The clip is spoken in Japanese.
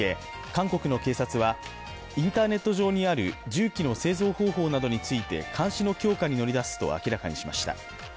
韓国の警察はインターネット上にある銃器の製造方法などについて監視の強化に乗り出すと明らかにしました。